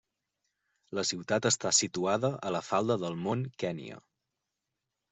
La ciutat està situada a la falda del mont Kenya.